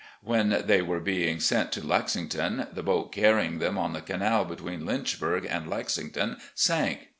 When they were being sent to Lexington, the boat carr3dng them on the canal between Lynchburg and Lexington sank.